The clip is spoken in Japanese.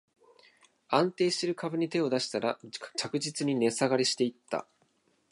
安定してる株に手を出したら、着実に値下がりしていった